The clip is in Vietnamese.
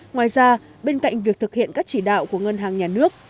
ngoài ra bên cạnh việc thực hiện các chỉ đạo của ngân hàng nhà nước